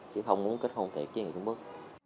chứ không muốn kết hôn tiền với người trung quốc